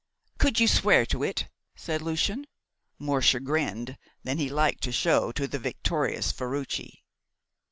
"Could you swear to it?" said Lucian, more chagrined than he liked to show to the victorious Ferruci.